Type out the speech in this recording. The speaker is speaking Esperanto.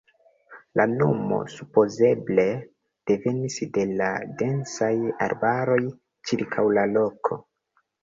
La nomo supozeble devenis de la densaj arbaroj ĉirkaŭ la loko.